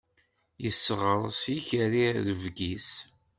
Yesseɣres yikerri rrebg-is.